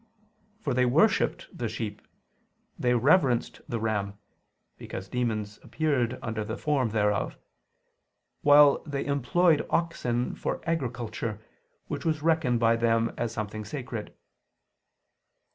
For they worshipped the sheep; they reverenced the ram (because demons appeared under the form thereof); while they employed oxen for agriculture, which was reckoned by them as something sacred.